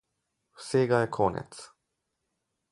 Vsega je konec.